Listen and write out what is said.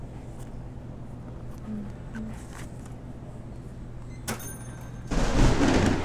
长春铁路运输中级法院是中华人民共和国吉林省的铁路运输中级法院。